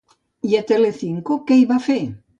I a Telecinco, què hi va fer?